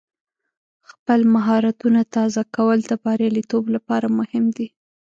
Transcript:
خپل مهارتونه تازه کول د بریالیتوب لپاره مهم دی.